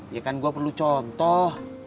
ya kan gue perlu contoh